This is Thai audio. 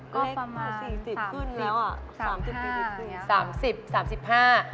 ก็ประมาณ๓๐๓๕บาท